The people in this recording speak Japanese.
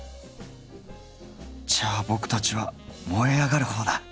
じゃボクたちは燃え上がる方だ！